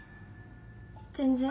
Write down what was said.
全然。